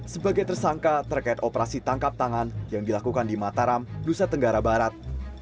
sebagai tersangka terkait operasi tangkap tangan yang dilakukan di mataram nusa tenggara barat